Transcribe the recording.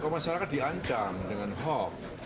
masyarakat diancam dengan hoax